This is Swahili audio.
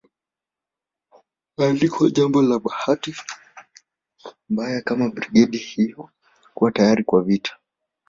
Halikuwa jambo la bahati mbaya kwamba brigedi hiyo kuwa tayari kwa vita